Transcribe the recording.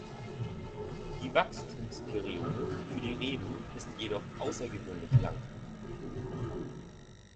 Die Wachstumsperiode für die Reben ist jedoch außergewöhnlich lang.